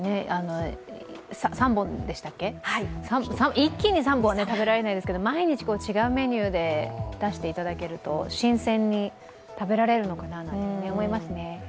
３本でしたっけ、一気に３本は食べられないですけど毎日違うメニューで出していただけると新鮮に食べられるのかなと思いますよね。